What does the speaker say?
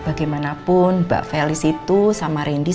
bagaimanapun mbak felis itu sama rindy